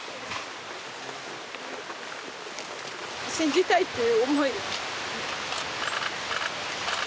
信じたいっていう思いを。